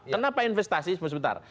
kenapa investasi sebentar